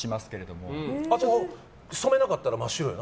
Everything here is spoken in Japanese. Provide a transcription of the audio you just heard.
もう染めなかったら真っ白やな？